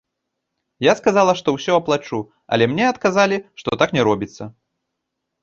Я сказала, што ўсё аплачу, але мне адказалі, што так не робіцца.